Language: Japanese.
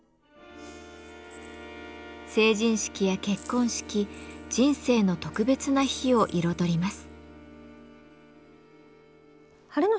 成人式や結婚式人生の特別な日を彩ります。